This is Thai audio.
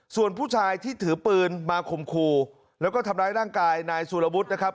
ส่วนผู้ชายที่ถือปืนมาข่มขู่แล้วก็ทำร้ายร่างกายนายสุรวุฒินะครับ